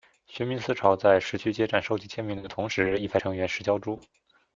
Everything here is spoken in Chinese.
学民思潮在十区街站收集签名的同时亦派成员拾胶珠。